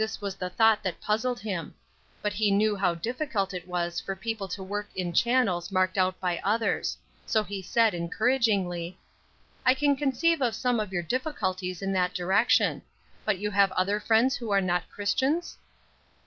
This was the thought that puzzled him. But he knew how difficult it was for people to work in channels marked out by others. So he said, encouragingly: "I can conceive of some of your difficulties in that direction. But you have other friends who are not Christians?"